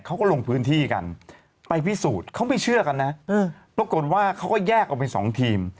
เขาก็ลงพื้นที่กันไปพิสูจน์เขาไม่เชื่อกันนะปรากฏว่าเขาก็แยกออกไปสองทีม